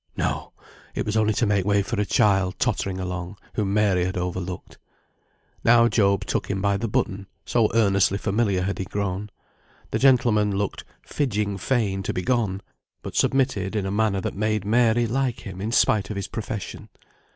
No! it was only to make way for a child, tottering along, whom Mary had overlooked. Now Job took him by the button, so earnestly familiar had he grown. The gentleman looked "fidging fain" to be gone, but submitted in a manner that made Mary like him in spite of his profession.